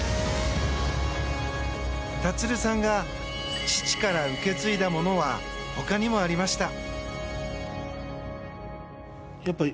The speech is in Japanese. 立さんが父から受け継いだものは他にもありました。